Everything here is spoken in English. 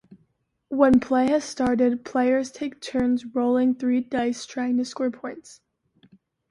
When play has started, players take turns rolling three dice trying to score points.